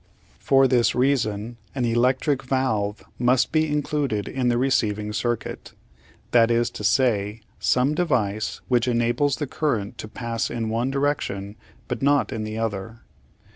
For this reason an electric valve must be included in the receiving circuit, that is to say, some device which enables the current to pass in one direction but not in the other.